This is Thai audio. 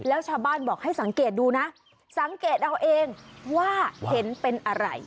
แล้วชาวบ้านบอกให้สังเกตดูนะสังเกตเอาเองว่าเห็นเป็นอะไร